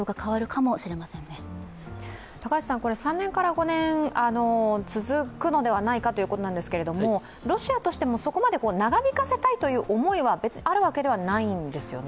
３５年続くのではないかということなんですけれどもロシアとしてもそこまで長引かせたいという思いは別にあるわけではないんですよね。